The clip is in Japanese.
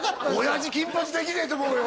親父金八できねえと思うよ